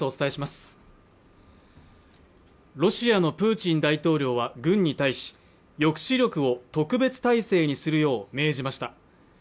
ロシアのプーチン大統領は軍に対し、抑止力を特別態勢にするよう命じました。